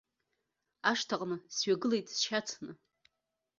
Ашҭаҟны сҩагылеит сшьацны.